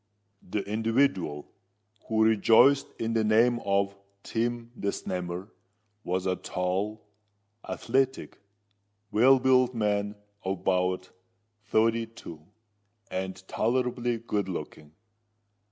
The individual who rejoiced in the name of Tim the Snammer, was a tall, athletic, well built man of about thirty two, and tolerably good looking.